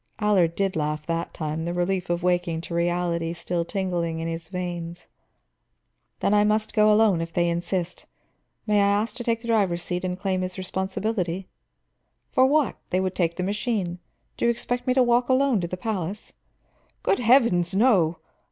Allard did laugh that time, the relief of waking to reality still tingling in his veins. "Then I must go alone, if they insist. May I ask to take the driver's seat and claim his responsibility?" "For what? They would take the machine. Do you expect me to walk alone to the palace?" "Good heavens, no!"